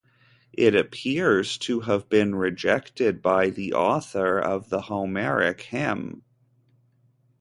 It appears to have been rejected by the author of the Homeric hymn.